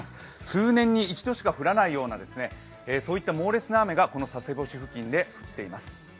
数年に一度しか降らないような猛烈な雨が佐世保市付近で降っています。